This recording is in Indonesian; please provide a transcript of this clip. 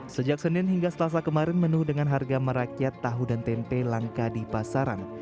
sejak senin hingga selasa kemarin menu dengan harga merakyat tahu dan tempe langka di pasaran